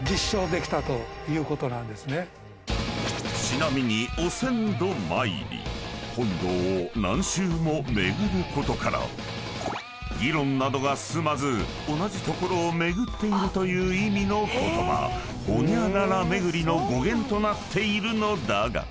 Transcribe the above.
［ちなみにお千度参り本堂を何周も巡ることから議論などが進まず同じところを巡っているという意味の言葉ホニャララ巡りの語源となっているのだが］